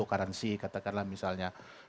atau transaksi katakanlah misalnya